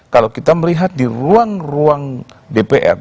kalau kita melihat di ruang ruang dpr